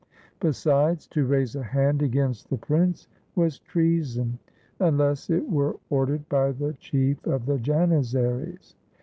Besides, to raise a hand against the prince was treason — unless it were ordered by the chief of the Janizaries.